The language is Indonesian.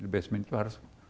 basement itu harus